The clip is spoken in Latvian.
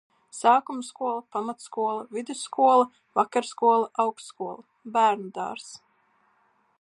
Sākumskola, pamatskola, vidusskola, vakarskola, augstskola. Bērnudārzs.